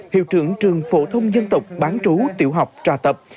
hiệu trưởng trường phổ thông dân tộc bán trú tiểu học trà tập